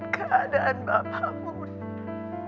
keadaan bapak oneself